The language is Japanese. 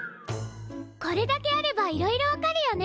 これだけあればいろいろわかるよね。